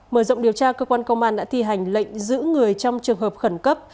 mở rộng điều tra cơ quan công an đã thi hành lệnh giữ người trong trường hợp khẩn cấp